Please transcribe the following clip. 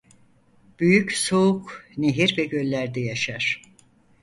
Büyük soğuk nehir ve göllerde yaşar.